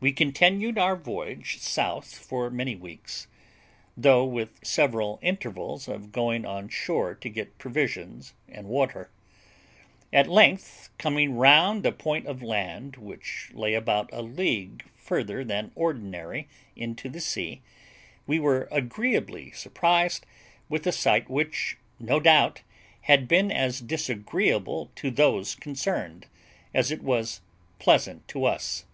We continued our voyage south for many weeks, though with several intervals of going on shore to get provisions and water. At length, coming round a point of land which lay about a league further than ordinary into the sea, we were agreeably surprised with a sight which, no doubt, had been as disagreeable to those concerned, as it was pleasant to us.